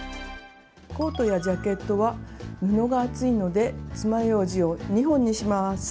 コートやジャケットは布が厚いのでつまようじを２本にします。